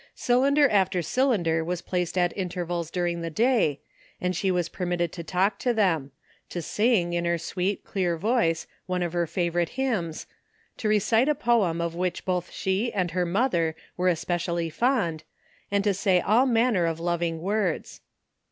Cylinder after cylinder was placed at intervals during the day, and she was permitted to talk to them ; to sing, in her sweet, clear voice, one of her favorite hymns ; to recite a poem of which both she and her mother were especially fond, and to say all manner of loving words.